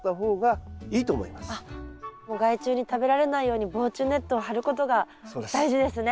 もう害虫に食べられないように防虫ネットを張ることが大事ですね。